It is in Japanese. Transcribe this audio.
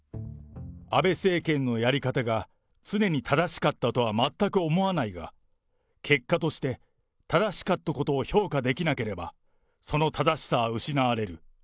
安倍政権のやり方が常に正しかったとは全く思わないが、結果として正しかったことを評価できなければ、その正しさは失われる。